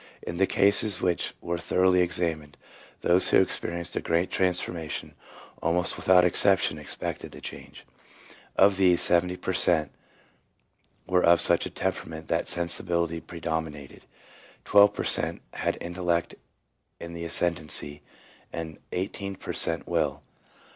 In the cases which were thoroughly examined, those who experienced a great transformation, almost without exception, expected the change. Of these 70 per cent, were of such a temperament that sensibility predominated, 12 per cent, had intellect in the ascendency, and 18 per cent. will.